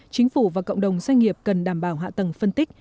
chính phủ và cộng đồng doanh nghiệp cần đảm bảo hạ tầng phân tích